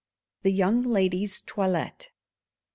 The Young Lady's Toilette.